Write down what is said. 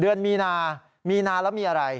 เดือนมีนามีนาแล้วมีอะไร